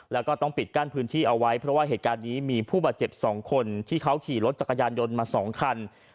แล้วก็ต้องปิดกั้นพื้นที่เอาไว้เพราะว่าเหตุการณ์นี้มีผู้บาดเจ็บ๒คนที่เขาขี่รถจักรยานยนต์มา๒คัน